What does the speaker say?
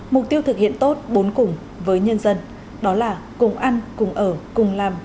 mục tiêu thực hiện tốt bốn cùng với nhân dân đó là cùng ăn cùng ở cùng làm